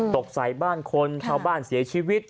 ตกใส่บ้านคนชาวบ้านเสียชีวิต